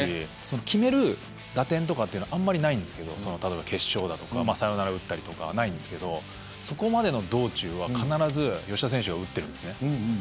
決める打点はあんまりなかったんですけど決勝打とかサヨナラはないんですけどそこまでの道中は必ず吉田選手が打ってるんです。